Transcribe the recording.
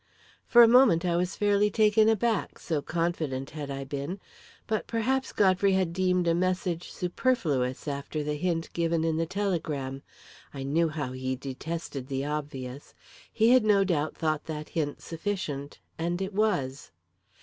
For a moment I was fairly taken aback, so confident had I been; but perhaps Godfrey had deemed a message superfluous after the hint given in the telegram I knew how he detested the obvious. He had no doubt thought that hint sufficient and it was.